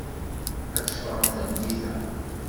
Ad teffɣemt tameddit-a.